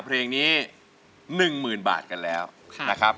เพลงนี้๑๐๐๐บาทกันแล้วนะครับ